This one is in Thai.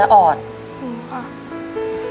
คุณคะ